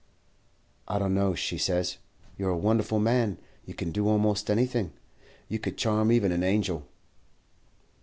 "'I don't know,' she says. 'You are a wonderful man; you can do almost anything. You could charm even an angel.'